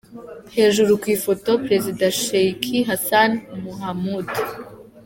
Hejuru ku ifoto : Perezida Sheikh Hassan Mohamud.